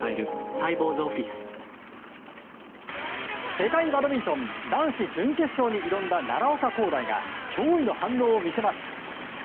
世界バドミントン男子準決勝に挑んだ奈良岡功大が驚異の反応を見せます。